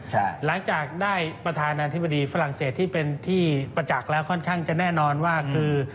หลังจากได้ประธานาธิบดีฝรั่งเศสที่เป็นที่ประจักษ์แล้วค่อนข้างจะแน่นอนว่าคือ